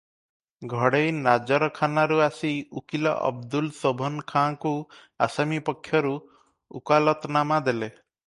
ଘଡ଼େଇ ନାଜରଖାନାରୁ ଆସି ଉକୀଲ ଅବଦୁଲ ଶୋଭାନ ଖାଁଙ୍କୁ ଆସାମୀ ପକ୍ଷରୁ ଉକାଲତନାମା ଦେଲେ ।